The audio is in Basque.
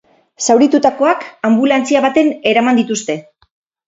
Zauritutakoak anbulantzia baten eraman dituzte.